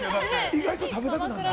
意外と食べたくなんねん。